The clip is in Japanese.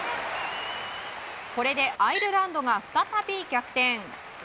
これでアイルランドが再び逆転。